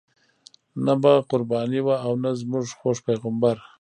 نه به قرباني وه او نه زموږ خوږ پیغمبر.